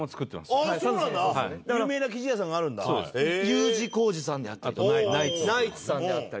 Ｕ字工事さんであったりナイツさんであったりとか。